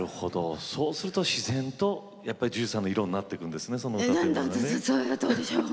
そうすると自然とＪＵＪＵさんの色になっていくんですね。